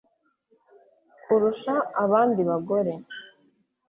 kurusha abandi bagore